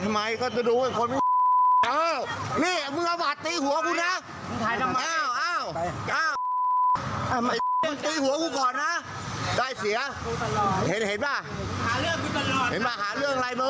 มองทอดหน้านะ